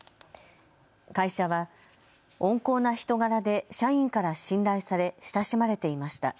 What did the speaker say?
会社は温厚な人柄で社員から信頼され、親しまれていました。